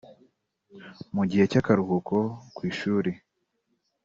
Mu gihe cy’akaruhuko ku ishuli